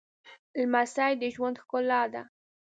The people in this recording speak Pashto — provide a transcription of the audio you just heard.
لمسی د ژوند ښکلا ده